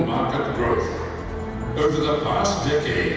selama beberapa dekade